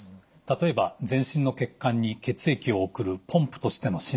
例えば全身の血管に血液を送るポンプとしての心臓。